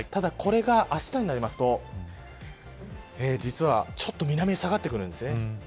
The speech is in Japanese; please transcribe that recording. ただ、これがあしたになりますとちょっと南に下がってくるんです。